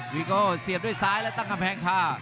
วีโก้เสียบด้วยซ้ายและตั้งกำแพงคา